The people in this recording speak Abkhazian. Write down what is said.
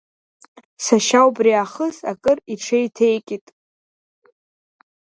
Сашьа убри аахыс акыр иҽеиҭеикит.